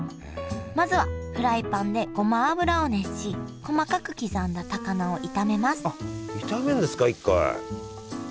まずはフライパンでごま油を熱し細かく刻んだ高菜を炒めますあっ炒めるんですか１回。